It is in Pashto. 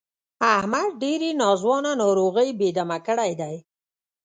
احمد ډېرې ناځوانه ناروغۍ بې دمه کړی دی.